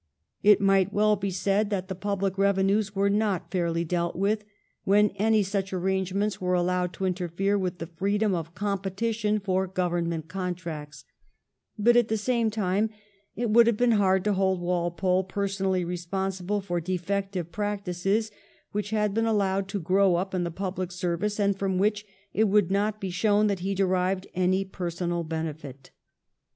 It might well be said that the public revenues were not fairly dealt with when any such arrangements were allowed to interfere with the freedom of competition for Gov ernment contracts ; but at the same time it would be hard to hold Walpole personally responsible for defective practices which had been allowed to grow up in the public service, and from which it could not be shown that he had derived any personal benefit.